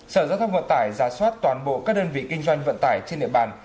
sở giao thông vận tải giả soát toàn bộ các đơn vị kinh doanh vận tải trên địa bàn